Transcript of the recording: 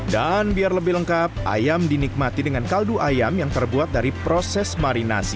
dan biar lebih lengkap ayam dinikmati dengan kaldu ayam yang terbuat dari proses marinasi